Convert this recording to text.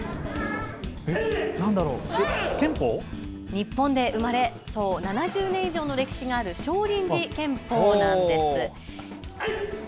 日本で生まれ７０年以上の歴史がある少林寺拳法です。